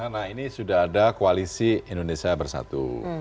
nah ini sudah ada koalisi indonesia bersatu